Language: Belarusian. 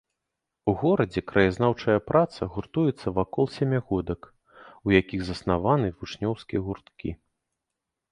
У горадзе краязнаўчая праца гуртуецца вакол сямігодак, у якіх заснаваны вучнёўскія гурткі.